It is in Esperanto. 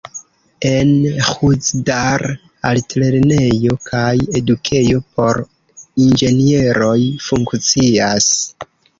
En Ĥuzdar altlernejo kaj edukejo por inĝenieroj funkcias.